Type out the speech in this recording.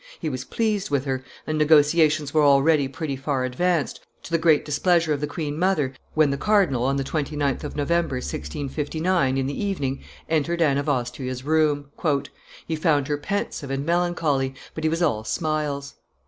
He was pleased with her, and negotiations were already pretty far advanced, to the great displeasure of the queen mother, when the cardinal, on the 29th of November, 1659, in the evening, entered Anne of Austria's room. "He found her pensive and melancholy, but he was all smiles.